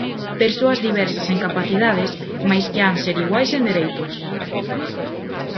Persoas diversas en capacidades, mais que han ser iguais en dereitos.